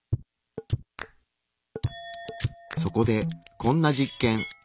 そこでこんな実験。